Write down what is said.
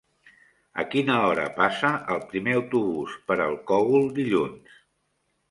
A quina hora passa el primer autobús per el Cogul dilluns?